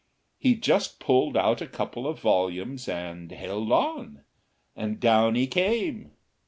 He just pulled out a couple of volumes and held on, and down he came.